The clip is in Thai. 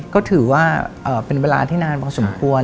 ก็ถือว่าเป็นเวลาที่นานพอสมควร